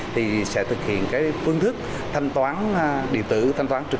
thì sẽ thực hiện phương thức thanh toán điện thoại